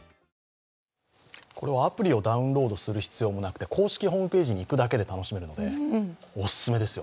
これはアプリをダウンロードする必要もなくて公式ホームページに行くだけで楽しめるのでお勧めですよ。